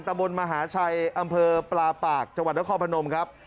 ตะบนมหาชัยอำเภอปลาปากจังหวัดนครพนมครับ